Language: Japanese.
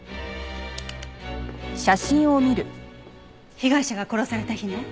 被害者が殺された日ね。